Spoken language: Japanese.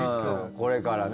これからね。